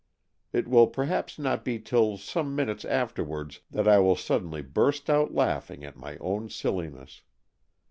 It will perhaps not be till some minutes afterwards that I will suddenly burst out laughing at my own silliness.